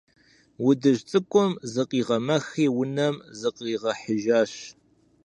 Удыжь цӀыкӀум зыкъигъэмэхри унэм зыкъригъэхьыжащ.